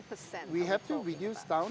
berapa banyak persen